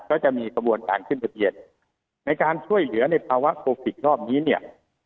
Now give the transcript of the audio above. ก็จะมีกระบวนการขึ้นทะเบียนในการช่วยเหลือในภาวะโควิดรอบนี้เนี่ย